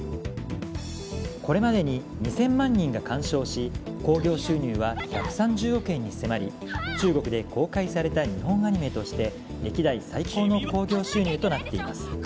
これまでに２０００万人が鑑賞し興行収入は１３０億円に迫り中国で公開された日本アニメとして歴代最高の興行収入となっています。